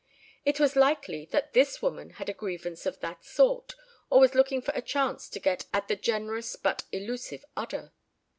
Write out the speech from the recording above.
It was unlikely that this woman had a grievance of that sort or was looking for a chance to get at the generous but elusive udder.